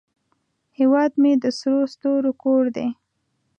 هیواد مې د سرو ستورو کور دی